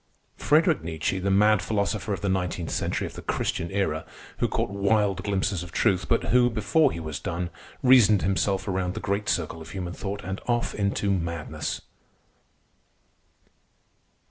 Friederich Nietzsche, the mad philosopher of the nineteenth century of the Christian Era, who caught wild glimpses of truth, but who, before he was done, reasoned himself around the great circle of human thought and off into madness.